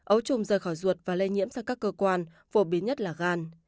ấu trùng rời khỏi ruột và lây nhiễm sang các cơ quan phổ biến nhất là gan